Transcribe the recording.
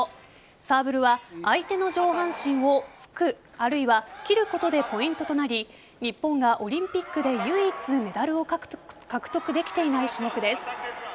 サーブルは相手の上半身を突くあるいは斬ることでポイントとなり日本がオリンピックで唯一、メダルを獲得できていない種目です。